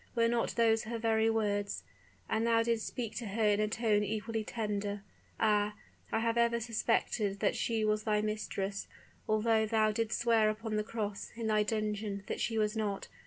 Were not those her very words? And thou didst speak to her in a tone equally tender. Ah! I have ever suspected that she was thy mistress; although thou didst swear upon the cross, in thy dungeon, that she was not.